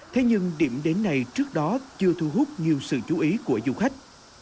thế nhưng điểm đến này trước đó chưa thu hút nhiều sự chú ý của du khách